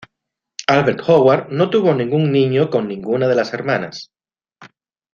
Albert Howard no tuvo ningún niño con ninguna de las hermanas.